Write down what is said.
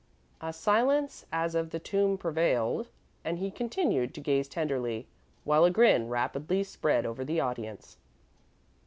A silence as of the tomb prevailed, and he continued to gaze tenderly, while a grin rapidly spread over the audience.